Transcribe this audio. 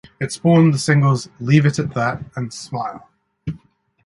It spawned the singles "Leave It At That" and "Smile".